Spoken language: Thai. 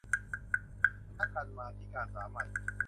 คณะกรรมาธิการสามัญ